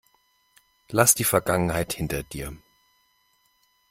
Lass die Vergangenheit hinter dir.